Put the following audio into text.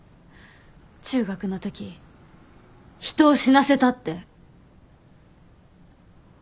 中学のとき人を死なせたって。